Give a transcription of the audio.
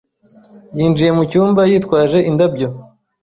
yinjiye mu cyumba, yitwaje indabyo